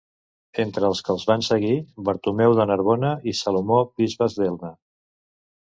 Entre els que el van seguir Bartomeu de Narbona i Salomó bisbes d'Elna.